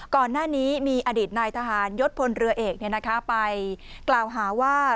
ก่อนหน้านี้มีอดีตนายทหารยศพลเรือเอกไปกล่าวหาว่า